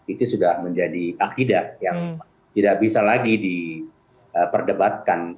itu sudah menjadi akidah yang tidak bisa lagi diperdebatkan